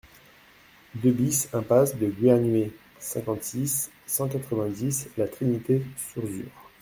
deux BIS impasse du Guernehué, cinquante-six, cent quatre-vingt-dix, La Trinité-Surzur